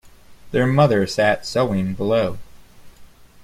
Their mother sat sewing below.